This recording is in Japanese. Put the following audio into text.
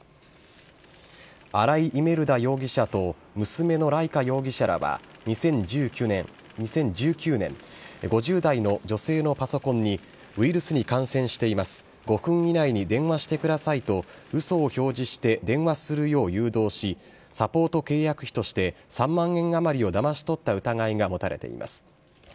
アライ・イメルダ容疑者と娘のライカ容疑者らは２０１９年、５０代の女性のパソコンにウイルスに感染しています、５分以内に電話してくださいと、うそを表示して電話するよう誘導し、サポート契約費として３万円余りをだまし取った疑いが持たれています。